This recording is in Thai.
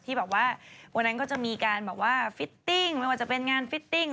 ที่วันนั้นก็จะมีการฟิตติ้งไม่ว่าจะเป็นงานฟิตติ้ง